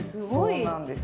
そうなんです。